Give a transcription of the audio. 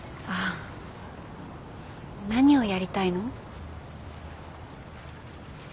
何をやりたいの？